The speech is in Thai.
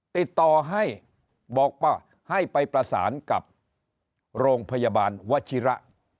ติดต่อให้บอกว่าให้ไปประสานกับโรงพยาบาลวชิระ